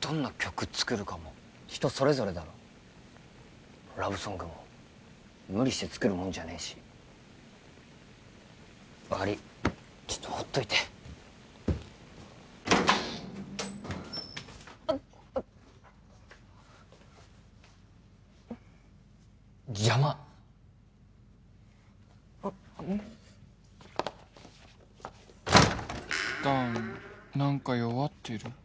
どんな曲作るかも人それぞれだろラブソングも無理して作るもんじゃねえしワリイちょっとほっといてあっあっ邪魔あっうん弾何か弱ってる？